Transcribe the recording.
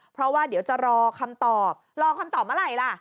เพราะว่าเดี๋ยวจะรอคำตอบรอคำตอบเมื่อไหร่ล่ะ